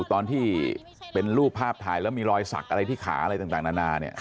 ตอนที่เป็นรูปภาพถ่ายแล้วมีรอยสักอะไรที่ขาอะไรต่างนานาเนี่ย